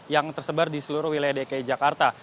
yang tersebar di seluruh wilayah dki jakarta